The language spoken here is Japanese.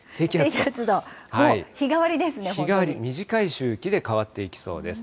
日替わり、短い周期で変わっていきそうです。